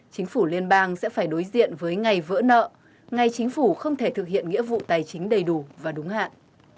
chính phủ liên bang sẽ phải đối diện với ngày vỡ nợ ngay chính phủ không thể thực hiện nghĩa vụ tài chính đầy đủ và đúng hạn